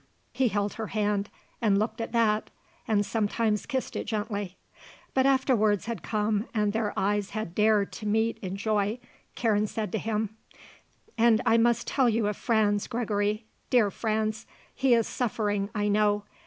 He held her hand and looked at that, and sometimes kissed it gently. But after words had come and their eyes had dared to meet in joy, Karen said to him: "And I must tell you of Franz, Gregory, dear Franz. He is suffering, I know.